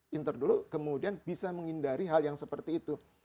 pinter dulu kemudian bisa menghindari hal yang seperti itu